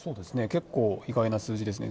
結構意外な数字ですね。